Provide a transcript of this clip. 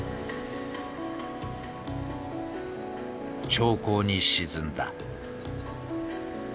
長考に沈んだ。